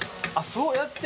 そうやって？